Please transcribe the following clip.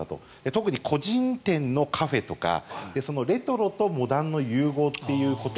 特に個人店のカフェとかレトロとモダンの融合ということ。